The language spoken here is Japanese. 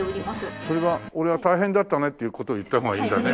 それは俺は大変だったねっていう事を言った方がいいんだね？